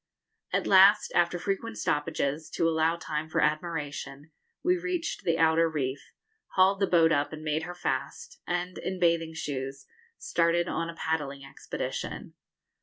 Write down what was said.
At last, after frequent stoppages, to allow time for admiration, we reached the outer reef, hauled the boat up and made her fast, and, in bathing shoes, started on a paddling expedition.